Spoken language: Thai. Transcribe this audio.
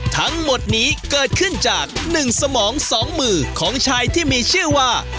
ทั้งหมดนี้เกิดขึ้นจาก๑สมอง๒มือของชายที่มีชื่อว่า